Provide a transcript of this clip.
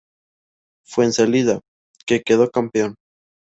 Fuensalida, que quedó campeón.